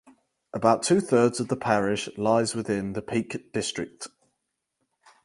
About two thirds of the parish lies within the Peak District.